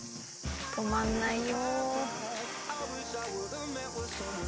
止まんないよ。